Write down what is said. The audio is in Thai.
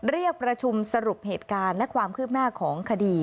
เรียกประชุมสรุปเหตุการณ์และความคืบหน้าของคดี